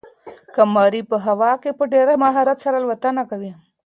قمري په هوا کې په ډېر مهارت سره الوتنه کوي.